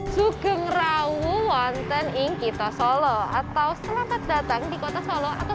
sugemerawu wanten inggita solo atau selamat datang di kota solo atau